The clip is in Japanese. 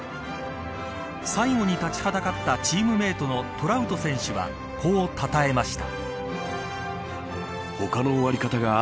最後に立ちはだかったチームメートのトラウト選手はこうたたえました。